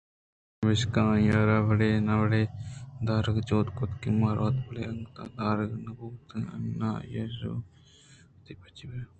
پمیشکا آئی ءَ را وڑے نہ وڑے ءَ دارگ ءِ جہدے کُت کہ مہ روت بلئے انگتءَآدارگ نہ بوت ءُ نہ روگ ء ِ بدل ءَ آئی ءَ را وتی پجی ءَ برگے بندات کُتءُاے ڈول ءَ آئی ءِ پادانی درد پدا گیش بوہان بوت اَنت